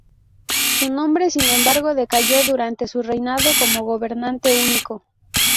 Su renombre, sin embargo, decayó durante su reinado como gobernante único.